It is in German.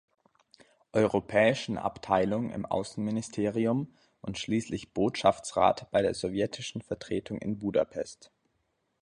Europäischen Abteilung im Außenministerium und schließlich Botschaftsrat bei der sowjetischen Vertretung in Budapest.